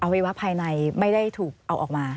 วัยวะภายในไม่ได้ถูกเอาออกมา